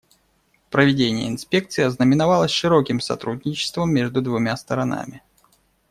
Проведение инспекции ознаменовалось широким сотрудничеством между двумя сторонами.